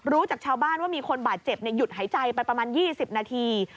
จากชาวบ้านว่ามีคนบาดเจ็บหยุดหายใจไปประมาณ๒๐นาที